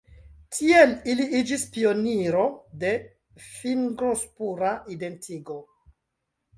Tiel li iĝis pioniro de fingrospura identigo.